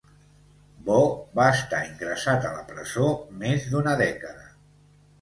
Bo va estar ingressat a la presó més d'una dècada.